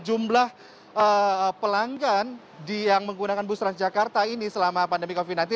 jumlah pelanggan yang menggunakan bus transjakarta ini selama pandemi covid sembilan belas